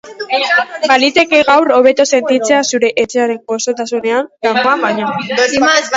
Baliteke gaur hobeto sentitzea zure etxearen goxotasunean, kanpoan baino.